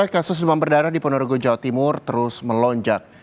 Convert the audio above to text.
kasus demam berdarah di ponorogo jawa timur terus melonjak